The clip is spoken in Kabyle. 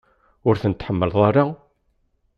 Ur ten-tḥemmleḍ ara?